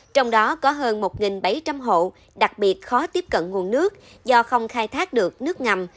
trong đó có hơn một bảy trăm linh hộ đặc biệt khó tiếp cận nguồn nước do không khai thác được nước ngầm